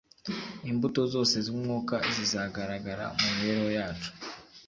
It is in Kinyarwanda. imbuto zose z'Umwuka zizagaragara mu mibereho yacu.